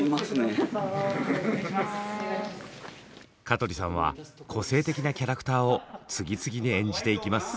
香取さんは個性的なキャラクターを次々に演じていきます。